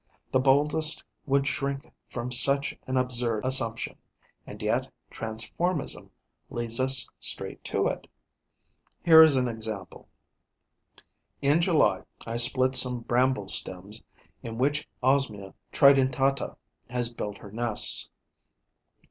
The boldest would shrink from such an absurd assumption. And yet transformism leads us straight to it. Here is an example: in July, I split some bramble stems in which Osmia tridentata has built her nests.